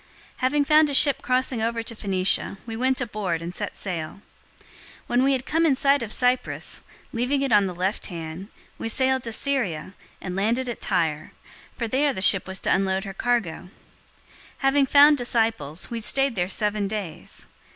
021:002 Having found a ship crossing over to Phoenicia, we went aboard, and set sail. 021:003 When we had come in sight of Cyprus, leaving it on the left hand, we sailed to Syria, and landed at Tyre, for there the ship was to unload her cargo. 021:004 Having found disciples, we stayed there seven days.